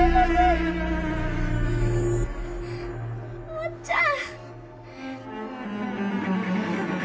あっちゃん！